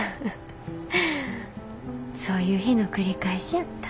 そういう日の繰り返しやった。